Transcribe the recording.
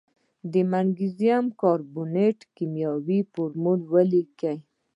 د مګنیزیم کاربونیټ کیمیاوي فورمول ولیکئ.